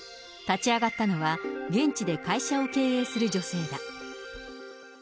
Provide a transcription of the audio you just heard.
立ち上がったのは、現地で会社を経営する女性だ。